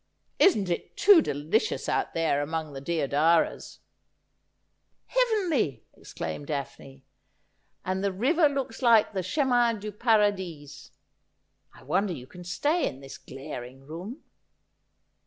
Isn't it too delicious out there among the deodaras ?'' Heavenly,' exclaimed Daphne ;' and the river looks like the chemin du Puradis. I wonder you can stay in this glaring room.'